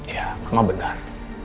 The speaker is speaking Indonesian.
ya mama benar